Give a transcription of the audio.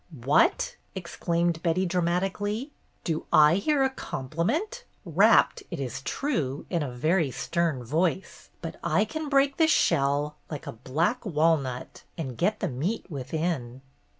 "What!" exclaimed Betty, dramatically. " Do I hear a compliment, wrapped, it is true, in a very stern voice? But I can break the shell, like a black walnut, and get the meat within."